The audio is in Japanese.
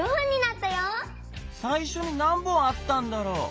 さいしょに何本あったんだろう？